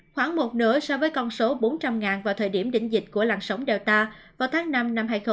khoảng một nửa so với con số bốn trăm linh vào thời điểm đỉnh dịch của làn sóng delta vào tháng năm năm hai nghìn hai mươi